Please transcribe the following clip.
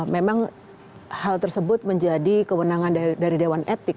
memang hal tersebut menjadi kewenangan dari dewan etik